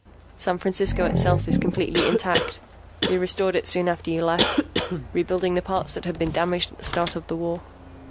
"San Francisco itself is completely intact. We restored it soon after you left, rebuilding the parts that had been damaged at the start of the war.